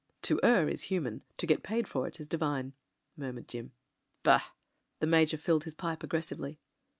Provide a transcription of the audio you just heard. "To err is human ; to get paid for it is divine," mur mured Jim. "Bah!" the Major filled his pipe aggressively.